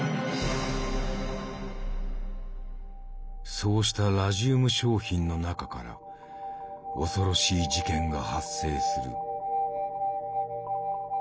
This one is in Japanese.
そうしたラジウム商品の中から恐ろしい事件が発生する。